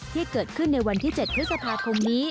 ที่เกิดขึ้นในวันที่๗พฤษภาคมนี้